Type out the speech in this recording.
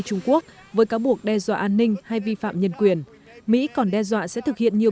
trung quốc với cáo buộc đe dọa an ninh hay vi phạm nhân quyền mỹ còn đe dọa sẽ thực hiện nhiều